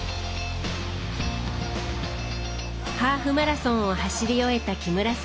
ハーフマラソンを走り終えた木村さん。